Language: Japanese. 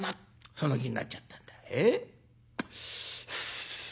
その気になっちゃったんだ」。